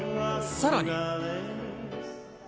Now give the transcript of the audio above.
さらに。